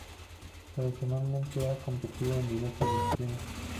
Tradicionalmente ha competido en diversas disciplinas.